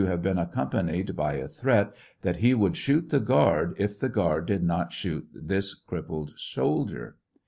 have been accompanied by a threat that he would shoot the guard if the guard did not shoot this crippled soldier.